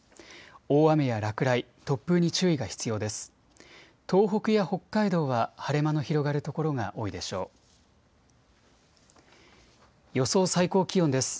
大雨や落雷、突風に注意が必要です。